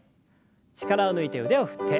力を抜いて腕を振って。